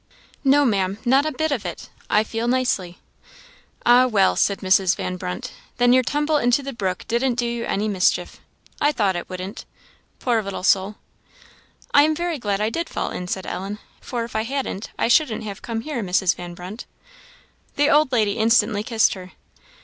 "No, Maam, not a bit of it; I feel nicely." "Ah! well," said Mrs. Van Brunt, "then your tumble into the brook didn't do you any mischief; I thought it wouldn't. Poor little soul!" "I am very glad I did fall in," said Ellen; "for if I hadn't I shouldn't have come here, Mrs. Van Brunt." The old lady instantly kissed her.